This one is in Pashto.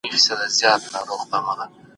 د نړیوالو معیارونو رعایت ضروري دی.